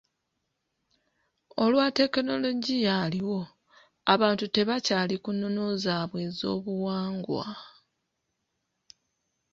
Olwa tekinoligiya aliwo, abantu tebakyali ku nnono zaabwe ez'obuwangwa.